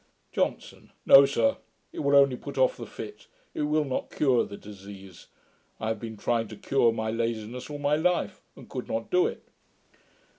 JOHNSON. 'No, sir; it will only put off the fit; it will not cure the disease. I have been trying to cure my laziness all my life, and could not do it.'